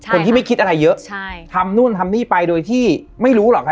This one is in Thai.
คนที่ไม่คิดอะไรเยอะใช่ทำนู่นทำนี่ไปโดยที่ไม่รู้หรอกครับ